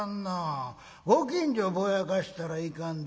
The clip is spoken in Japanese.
ご近所ぼやかしたらいかんで。